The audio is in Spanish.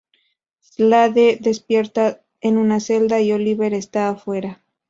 Slade despierta en una celda y Oliver espera afuera.